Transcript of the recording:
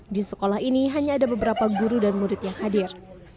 di sekolah ini hanya ada beberapa guru dan murid yang hadir